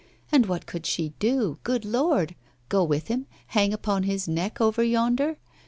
And what could she do, good Lord? Go with him, hang upon his neck over yonder?